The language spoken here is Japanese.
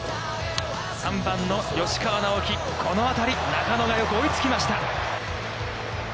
３番の吉川尚輝、この当たり、中野がよく追いつきました。